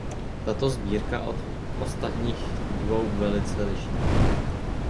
Tato sbírka se od ostatních dvou velice liší.